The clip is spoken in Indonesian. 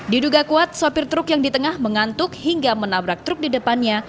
diduga kuat sopir truk yang di tengah mengantuk hingga menabrak truk di depannya